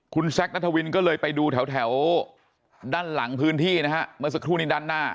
คุณแซคนัทวินก็เลยไปดูแถวด้านหลังพื้นที่นะฮะเมื่อสักครู่นี้ด้านหน้า